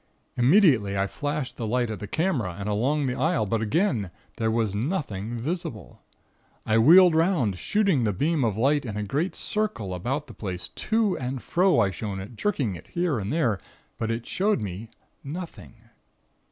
Immediately I flashed the light at the camera, and along the aisle, but again there was nothing visible. I wheeled 'round, shooting the beam of light in a great circle about the place; to and fro I shone it, jerking it here and there, but it showed me nothing.